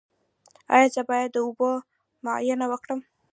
ایا زه باید د اوبو معاینه وکړم؟